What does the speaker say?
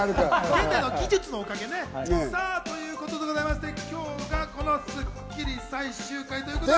現代の技術のおかげね。というわけで今日が『スッキリ』最終回ということで。